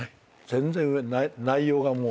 全然上内容がもう。